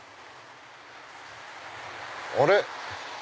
あれ？